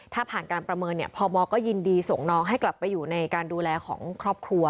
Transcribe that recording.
ถ้าผ่านการประเมินเนี่ยพมก็ยินดีส่งน้องให้กลับไปอยู่ในการดูแลของครอบครัว